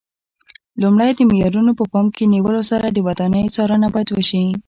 لومړی د معیارونو په پام کې نیولو سره د ودانیو څارنه باید وشي.